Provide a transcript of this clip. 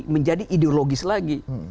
menjadi ideologis lagi